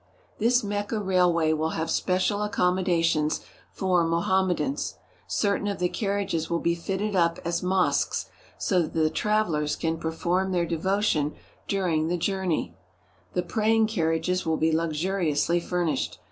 This Mecca railway will have special accommodations for Mohammedans. Certain of the carriages will be fitted up as mosques, so that the travellers can perform 243 THE HOLY LAND AND SYRIA their devotions during the journey. The praying car riages will be luxuriously furnished.